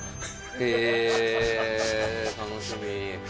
へー、楽しみ。